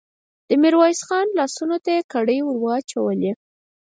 د ميرويس خان لاسونو ته يې کړۍ ور واچولې.